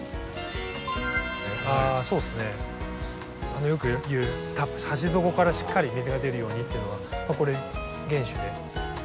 あそうですね。よく言う鉢底からしっかり水が出るようにっていうのはこれ厳守で。